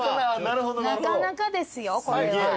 なかなかですよこれは。